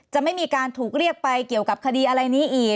จะไม่มีการถูกเรียกไปเกี่ยวกับคดีอะไรนี้อีก